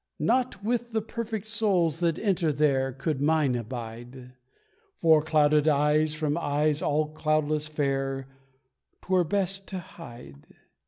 Not with the perfect souls that enter there Could mine abide, For clouded eyes from eyes all cloudless fair 'Twere best to hide.